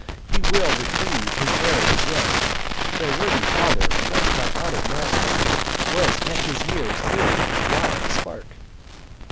He will retrieve his errors yet their worthy Father, once my honour'd master, was at his years nearly as wild a spark.